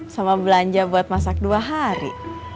sama belanja buat masak dua hari